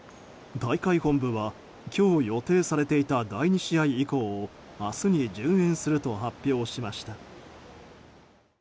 大会本部は今日予定されていた第２試合以降を明日に順延すると発表しました。